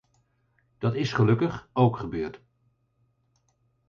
Dat is gelukkig ook gebeurd.